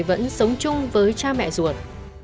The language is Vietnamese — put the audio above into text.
vẫn sống chung với cha mẹ ruột